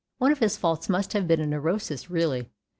One of his faults must have been a neurosis really.